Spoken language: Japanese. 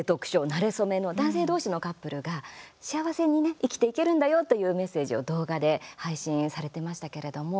なれそめ」の男性同士のカップルが幸せに生きていけるんだよというメッセージを動画で配信されてましたけれども。